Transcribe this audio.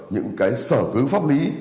những cái sở cứu pháp lý